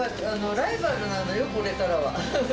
ライバルなのよ、これからは。